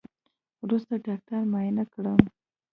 وروسته ډاکتر معاينه کړم.